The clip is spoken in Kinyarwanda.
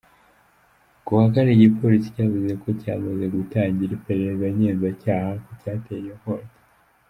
Ku wa kane, igipolisi cyavuze ko cyamaze gutangira iperereza ngenzacyaha ku cyateye iyo nkongi.